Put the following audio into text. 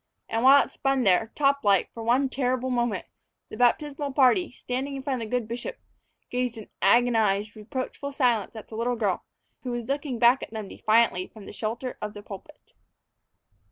And while it spun there, top like, for one terrible moment, the baptismal party, standing in front of the good bishop, gazed in agonized, reproachful silence at the little girl, who was looking back at them defiantly from the shelter of the pulpit.